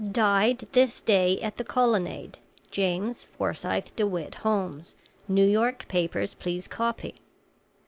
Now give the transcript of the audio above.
"'Died this day at the Colonnade, James Forsythe De Witt Holmes. New York papers please copy.